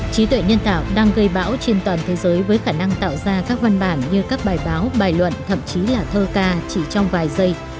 trí tuệ nhân tạo đang gây bão trên toàn thế giới với khả năng tạo ra các văn bản như các bài báo bài luận thậm chí là thơ ca chỉ trong vài giây